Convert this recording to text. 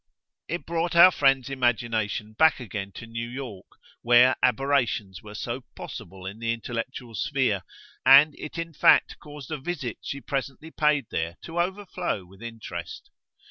It brought our friend's imagination back again to New York, where aberrations were so possible in the intellectual sphere, and it in fact caused a visit she presently paid there to overflow with interest.